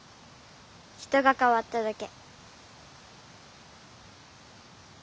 人がかわっただけ。